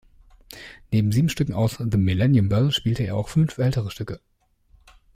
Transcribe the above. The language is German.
Neben sieben Stücken aus "The Millennium Bell" spielte er auch fünf ältere Stücke.